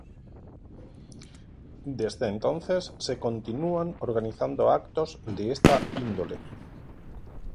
Desde entonces se continúan organizando actos de esta índole.